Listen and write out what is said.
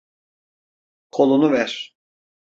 Kolunu ver.